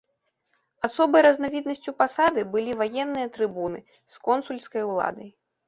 Асобай разнавіднасцю пасады былі ваенныя трыбуны з консульскай уладай.